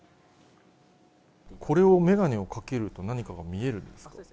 この眼鏡をかけると、何かが見えるんですか？